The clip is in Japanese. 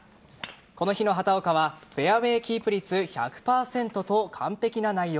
この日の畑岡はフェアウェーキープ率１００％と完璧な内容。